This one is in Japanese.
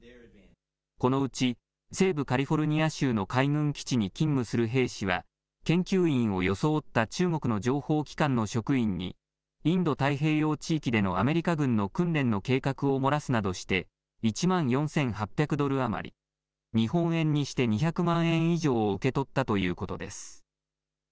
このうち西部カリフォルニア州の海軍基地に勤務する兵士は研究員を装った中国の情報機関の職員にインド太平洋地域でのアメリカ軍の訓練の計画を漏らすなどして１万４８００ドル余り、日本円にして２００万円以上を受け取ったということです。